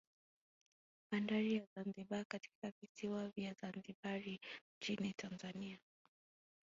Bandari ya Zanzibar katika visiwa vya Zanzibari nchini Tanzania